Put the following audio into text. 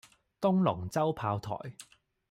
東龍洲炮台